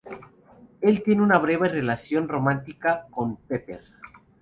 Él tiene una breve relación romántica con Pepper.